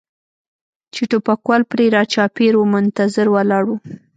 چې ټوپکوال پرې را چاپېر و منتظر ولاړ و.